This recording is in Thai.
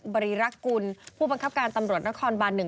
บริรักษ์กุลผู้บังคับการตำรวจนครบานหนึ่ง